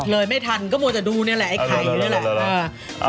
เลยไม่ทันก็มัวแต่ดูนี่แหละไอ้ไข่นี่แหละ